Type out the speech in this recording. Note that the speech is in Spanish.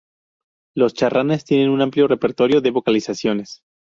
Los charranes tienen un amplio repertorio de vocalizaciones.